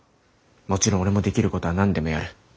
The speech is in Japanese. もちろん俺もできることは何でもやる。